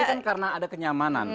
ini kan karena ada kenyamanan